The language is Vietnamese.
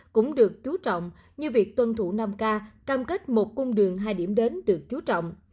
cũng được chú trọng như việc tuân thủ năm k cam kết một cung đường hai điểm đến được chú trọng